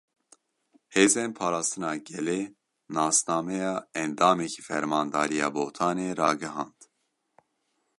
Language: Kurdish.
Hêzên Parastina Gelê nasnameya endamekî Fermandariya Botanê ragihand.